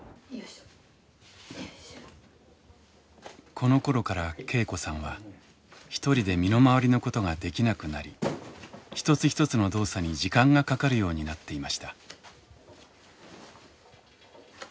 このころから恵子さんは一人で身の回りのことができなくなり一つ一つの動作に時間がかかるようになっていました。